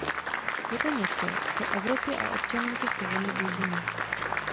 Je to něco, co Evropě a občanům těchto zemí dlužíme.